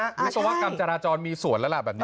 รู้สึกว่ากรรมจราจรมีส่วนแล้วล่ะแบบนี้